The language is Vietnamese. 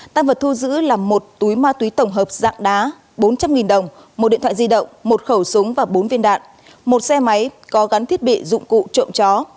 tăng vật thu giữ là một túi ma túy tổng hợp dạng đá bốn trăm linh đồng một điện thoại di động một khẩu súng và bốn viên đạn một xe máy có gắn thiết bị dụng cụ trộm chó